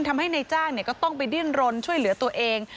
ทำให้นายจ้างก็ต้องไปดิ้นรนช่วยเหลือตัวเอง